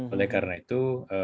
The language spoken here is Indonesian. oleh karena itu